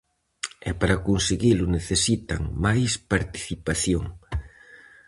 E para conseguilo necesitan máis participación.